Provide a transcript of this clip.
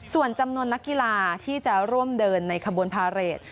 ส่วนจำนวนนักกีฬาที่จะร่วมเดินในขบวนพาเรท